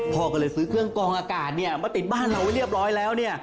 พ่อก็เลยซื้อเครื่องกองอากาศมาติดบ้านเราไว้เรียบร้อยแล้ว